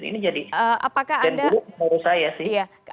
ini jadi penduduk menurut saya sih